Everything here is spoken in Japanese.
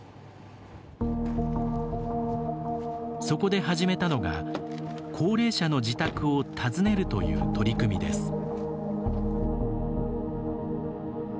そこで始めたのが高齢者の自宅を訪ねるという取り組みです。